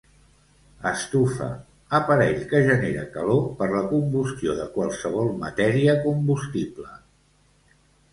Estufa aparell que genera calor per la combustió de qualsevol matèria combustible